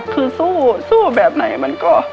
คือสู้สู้แบบไหนมันก็